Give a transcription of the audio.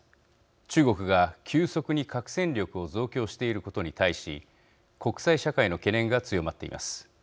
中国が急速に核戦力を増強していることに対し国際社会の懸念が強まっています。